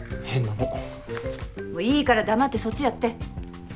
もういいから黙ってそっちやって。